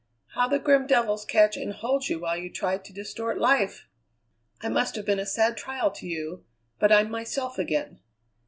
How the grim devils catch and hold you while they try to distort life! I must have been a sad trial to you, but I'm myself again.